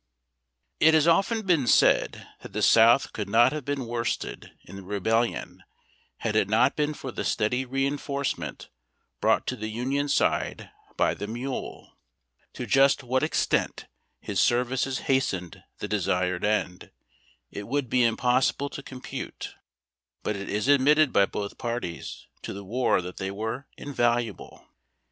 " T has often been said that the South could not have been worsted in the Rebellion had it not been for the steady re enforcement brought to the Union side by the mule. To just what extent his services hastened the desired end, it would be impossible to compute ; but it is admitted by both parties to the war that they were in valuable.